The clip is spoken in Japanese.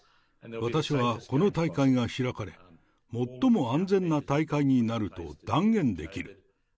私はこの大会が開かれ、最も安全な大会になると断言できる。